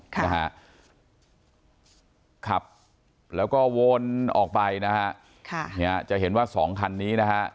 ค่ะนะฮะขับแล้วก็วนออกไปนะฮะค่ะเนี่ยจะเห็นว่าสองคันนี้นะฮะ